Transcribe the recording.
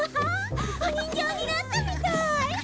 お人形になったみたい！